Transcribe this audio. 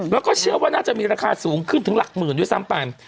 แล้วก็เชื่อว่าน่าจะมีราคาสูงขึ้นถึงหลักหมื่นด้วยซ้ำไป